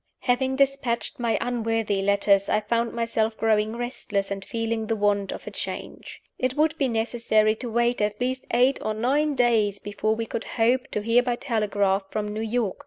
Having dispatched my unworthy letters, I found myself growing restless, and feeling the want of a change. It would be necessary to wait at least eight or nine days before we could hope to hear by telegraph from New York.